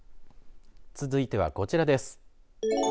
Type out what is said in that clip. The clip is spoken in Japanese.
続いてはこちらです。